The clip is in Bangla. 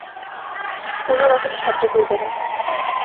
কোনো রকম শব্দ করবে না।